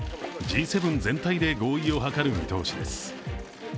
Ｇ７全体で合意を図る見通しです。